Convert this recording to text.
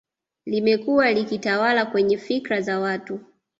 Limekua likitawala kwenye fikra za watu